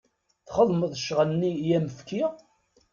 Txedmeḍ ccɣel-nni i am-fkiɣ?